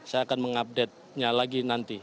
saya akan mengupdate nya lagi nanti